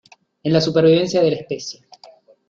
en la supervivencia de la especie